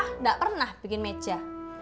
nggak pernah bikin meja